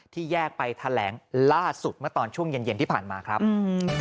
ที่แยกไปแถลงล่าสุดมาตอนช่วงเย็นที่ผ่านมาครับ